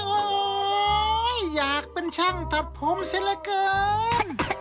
โอ๊ยอยากเป็นช่างตัดผมซิละเกิน